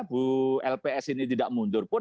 bu lps ini tidak mundur pun